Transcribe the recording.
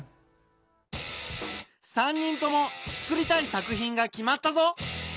３人ともつくりたい作品が決まったぞ。